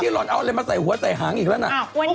หล่อนเอาอะไรมาใส่หัวใส่หางอีกแล้วนะ